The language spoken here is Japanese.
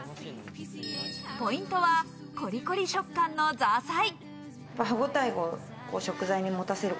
ポイントはコリコリ食感のザーサイ。